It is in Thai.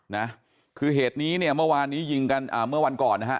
นะคือเหตุนี้เนี่ยเมื่อวานนี้ยิงกันอ่าเมื่อวันก่อนนะฮะ